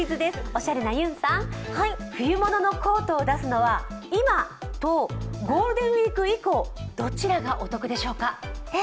おしゃれなゆんさん、冬物のコートを出すのは今とゴールデンウイーク以降、どちらがお得でしょうか？